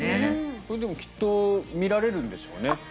これ、でもきっと見られるんでしょうね